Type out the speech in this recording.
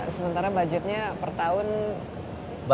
sementara budgetnya per tahun empat puluh an ya